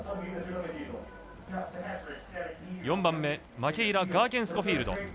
４番目マケイラ・ガーケンスコフィールド。